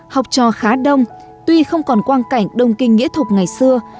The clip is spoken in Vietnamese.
học trò khá đông tuy không còn quang cảnh đông kinh nghĩa thục ngày xưa